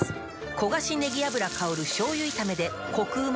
焦がしねぎ油香る醤油炒めでコクうま